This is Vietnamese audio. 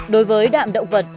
đối với đạm động vật